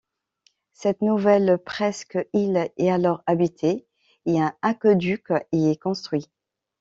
Cette nouvelle presqu'île est alors habitée et un aqueduc y est construit.